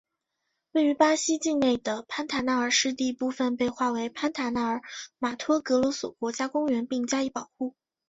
位于巴西境内的潘塔纳尔湿地部份被划为潘塔纳尔马托格罗索国家公国并加以保护。